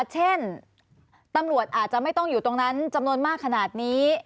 เช่นตำรวจอาจจะไม่ต้องอยู่ตรงนั้นจำนวนมากขนาดนี้